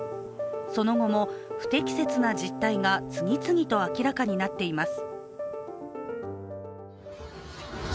その後も、不適切な実態が次々と明らかになっています。